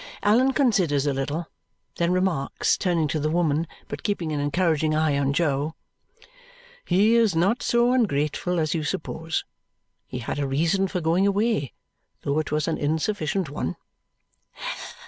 Allan considers a little, then remarks, turning to the woman but keeping an encouraging eye on Jo, "He is not so ungrateful as you supposed. He had a reason for going away, though it was an insufficient one."